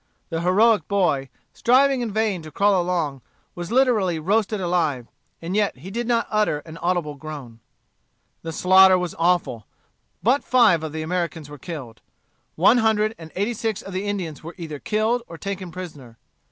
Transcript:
The heroic boy, striving in vain to crawl along, was literally roasted alive; and yet he did not utter an audible groan. The slaughter was awful. But five of the Americans were killed. One hundred and eighty six of the Indians were either killed or taken prisoners.